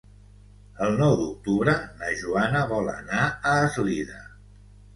El nou d'octubre na Joana vol anar a Eslida.